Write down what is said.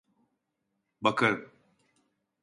Bakarım.